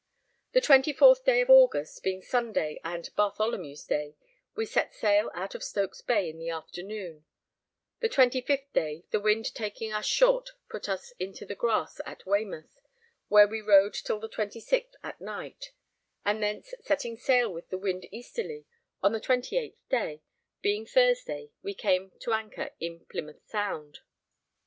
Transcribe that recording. The 24th day of August, being Sunday and Bartholomew's day, we set sail out of Stokes Bay in the afternoon; the 25th day, the wind taking us short put us into the grass at Weymouth, where we rode till the 26th at night; and thence setting sail with the wind easterly, on the 28th day, being Thursday, we came to anchor in Plymouth Sound.